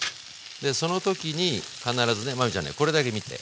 その時に必ずね真海ちゃんねこれだけ見て。